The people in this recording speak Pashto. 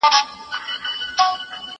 زه کولای سم لرګي راوړم!.